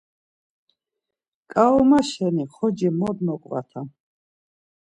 Ǩaurma şeni xoci mot noǩvatam.